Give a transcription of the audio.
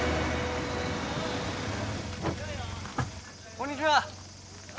こんにちは。